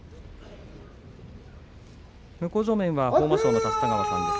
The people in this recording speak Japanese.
向正面は豊真将の立田川さんです。